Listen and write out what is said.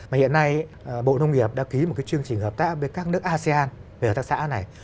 mà hiện nay bộ nông nghiệp đã ký một cái chương trình hợp tác với các nước asean về hợp tác xã này